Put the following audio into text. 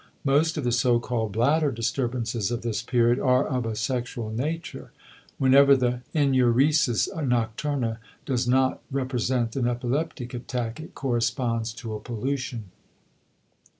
Most of the so called bladder disturbances of this period are of a sexual nature; whenever the enuresis nocturna does not represent an epileptic attack it corresponds to a pollution.